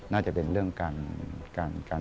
น่าจะเป็นเรื่องการ